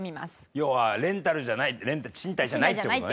要はレンタルじゃない賃貸じゃないって事ね。